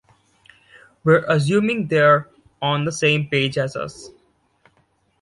We're assuming they're on the same page as us.